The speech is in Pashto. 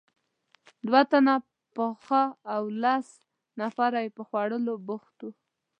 دوه تنه پخاوه او لس نفره یې په خوړلو بوخت وو.